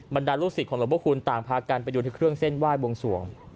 บรรดาลูกศิษย์หลวงพระคุณต่างพากันไปดูที่เครื่องเส้นไหว้บวงสวง